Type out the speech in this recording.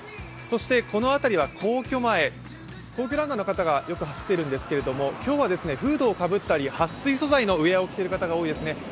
そしてこの辺りは皇居前、皇居ランナーの方がよく走っているんですが今日はフードをかぶったり、はっ水素材のウエアを着ている方が多いですね。